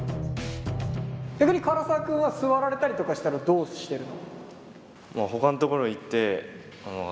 逆に柄澤君は座られたりとかしたらどうしてるの？